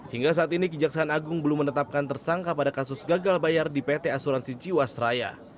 hingga saat ini kejaksaan agung belum menetapkan tersangka pada kasus gagal bayar di pt asuransi jiwasraya